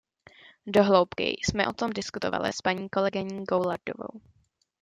Do hloubky jsme o tom diskutovali s paní kolegyní Goulardovou.